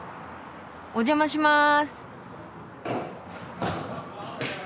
お邪魔します。